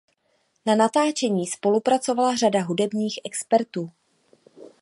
Na natáčení spolupracovala řada hudebních expertů.